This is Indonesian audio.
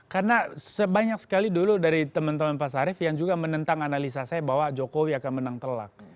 karena sebanyak sekali dulu dari teman teman pak sarif yang juga menentang analisa saya bahwa jokowi akan menang telak